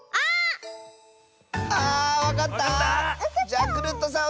じゃクルットさん